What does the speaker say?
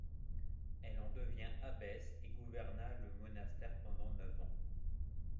Elle en devint abbesse et gouverna le monastère pendant neuf ans.